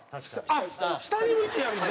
あっ下に向いてやるのね？